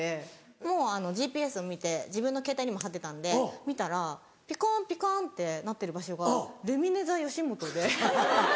もうあのＧＰＳを見て自分のケータイにも貼ってたんで見たらピカンピカンってなってる場所がルミネｔｈｅよしもとで。